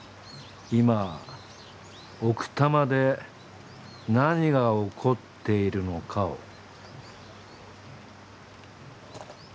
今奥多摩で何が起こっているのかを。